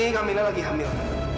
ini kamilah lagi hamil